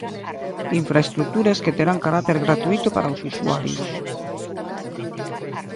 Infraestruturas que terán carácter gratuíto para os usuarios.